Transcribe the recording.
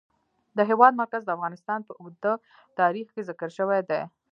د هېواد مرکز د افغانستان په اوږده تاریخ کې ذکر شوی دی.